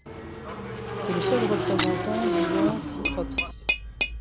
C'est le seul représentant du genre Scythrops.